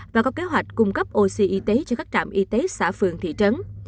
và có kế hoạch cung cấp oxy y tế cho các trạm y tế xã phường thị trấn